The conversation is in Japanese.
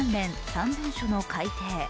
３文書の改訂。